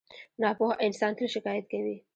• ناپوهه انسان تل شکایت کوي.